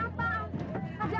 tidak tidak tidak